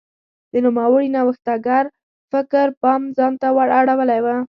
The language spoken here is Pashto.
د نوموړي نوښتګر فکر پام ځان ته ور اړولی و.